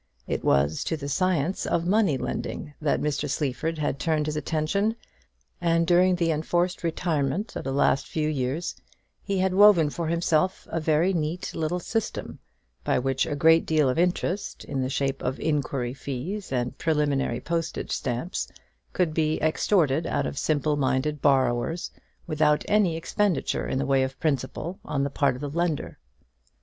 It was to the science of money lending that Mr. Sleaford had turned his attention; and during the enforced retirement of the last few years he had woven for himself a very neat little system, by which a great deal of interest, in the shape of inquiry fees and preliminary postage stamps, could be extorted out of simple minded borrowers without any expenditure in the way of principal on the part of the lender.